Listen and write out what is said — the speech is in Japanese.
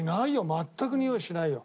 全くにおいしないよ。